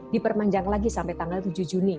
diperpanjang lagi sampai tanggal tujuh juni